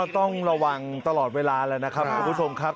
ต้องระวังตลอดเวลาแล้วนะครับคุณผู้ชมครับ